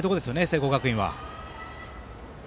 聖光学院は。